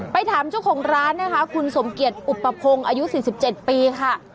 ไปถามช่วงของร้านนะคะคุณสมเกียจอุปพงษ์อายุสิบสิบเจ็ดปีค่ะ